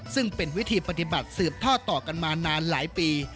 ซึ่งเป็นวิธีปฏิบัติสืบท่อต่อกันมานานหลายปี